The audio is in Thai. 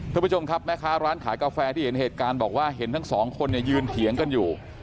คุณผู้ชมครับแม่ค้าร้านขายกาแฟที่เห็นเหตุการณ์บอกว่าเห็นทั้งสองคนเนี่ยยืนเถียงกันอยู่